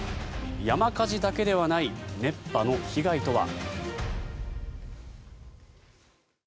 山火事だけではない熱波の被害とは。